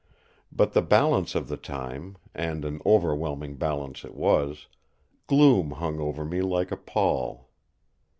But the balance of the time—and an overwhelming balance it was—gloom hung over me like a pall.